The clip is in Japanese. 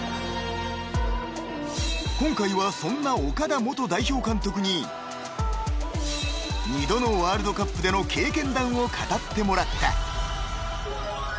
［今回はそんな岡田元代表監督に二度のワールドカップでの経験談を語ってもらった］